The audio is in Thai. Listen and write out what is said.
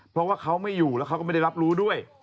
เพราะว่าเขาไม่อยู่แล้วเขาก็ไม่ได้รับรู้ด้วย